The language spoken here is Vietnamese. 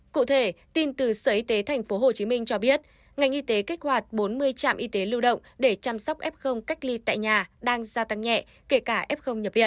cụ thể tin từ sở y tế tp hcm cho biết ngành y tế kích hoạt bốn mươi trạm y tế lưu động để chăm sóc f cách ly tại nhà đang gia tăng nhẹ kể cả f nhập viện